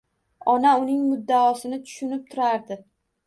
Ona uning muddaosini tushunib turardi